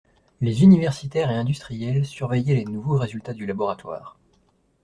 les universitaires et industriels surveillaient les nouveaux résultats du laboratoire.